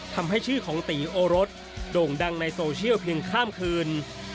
ทำให้ชื่อของตีโอรสโด่งดังในโซเชียลเพียงข้ามคืน